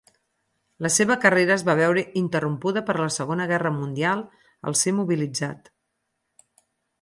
La seva carrera es va veure interrompuda per la segona guerra mundial, al ser mobilitzat.